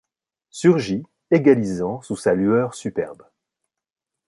Surgit, égalisant sous sa lueur superbe